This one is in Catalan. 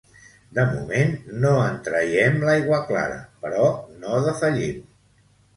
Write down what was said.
De moment no en traiem l'aigua clara, però no defallim